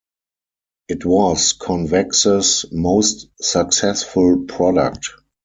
It was Convex's most successful product.